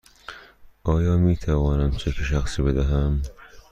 آیا می توانم چک شخصی بدهم؟